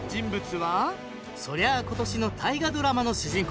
そりゃ今年の大河ドラマの主人公